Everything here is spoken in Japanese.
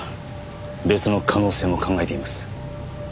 別の可能性も考えています。